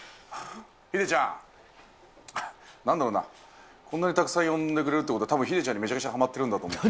ヒデちゃん、なんだろうな、こんなにたくさん呼んでくれるってことは、たぶん、ヒデちゃんにめちゃくちゃハマってるんだと思う。